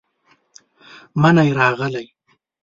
منی راغلې،